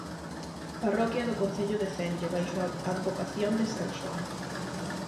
Parroquia do concello de Cenlle baixo a advocación de san Xoán.